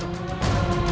untuk slot tim sai